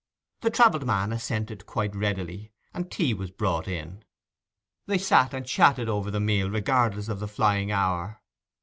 The travelled man assented quite readily, and tea was brought in. They sat and chatted over the meal, regardless of the flying hour.